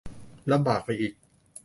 ลำบากไปอีก